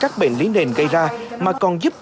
các bệnh lý nền gây ra mà còn giúp